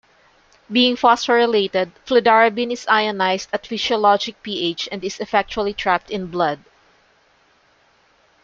Being phosphorylated, fludarabine is ionized at physiologic pH and is effectually trapped in blood.